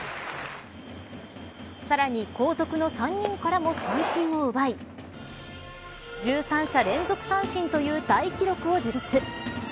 さらに、後続の３人からも三振を奪い１３者連続三振という大記録を樹立。